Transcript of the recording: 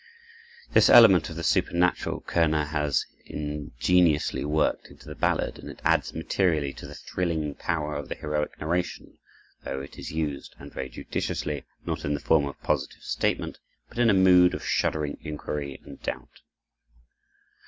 This element of the supernatural Körner has ingeniously worked into the ballad, and it adds materially to the thrilling power of the heroic narration, though it is used, and very judiciously, not in the form of positive statement, but in a mood of shuddering inquiry and doubt.